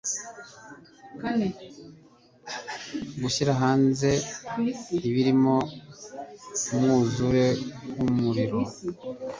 gushyira hanze ibirimo mumwuzure wumuriro